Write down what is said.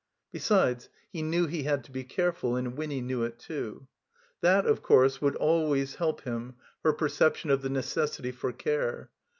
Besides, he knew he had to be careful, and Winny knew it too. That, of course, would always help him, her perception of the necessity fo. care.